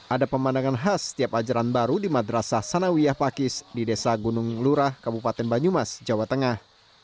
ada pemandangan khas setiap ajaran baru di madrasah sanawiyah pakis di desa gunung lurah kabupaten banyumas jawa tengah